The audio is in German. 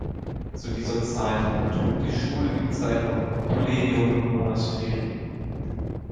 Zu dieser Zeit trug die Schule die Bezeichnung Collegium Monasterium.